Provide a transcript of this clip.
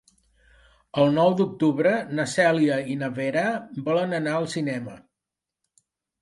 El nou d'octubre na Cèlia i na Vera volen anar al cinema.